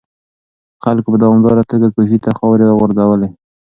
خلکو په دوامداره توګه کوهي ته خاورې غورځولې.